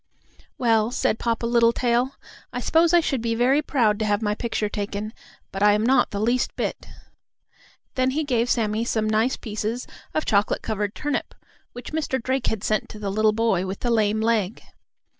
"Well," said Papa Littletail, "I suppose I should be very proud to have my picture taken, but I am not the least bit." Then he gave Sammie some nice pieces of chocolate covered turnip, which Mr. Drake had sent to the little boy with the lame leg.